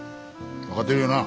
分かってるよな。